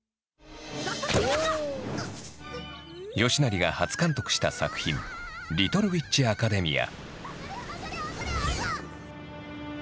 吉成が初監督した作品「リトルウィッチアカデミア」。